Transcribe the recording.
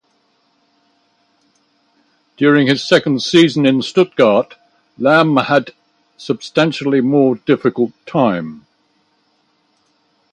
During his second season in Stuttgart, Lahm had substantially more difficult time.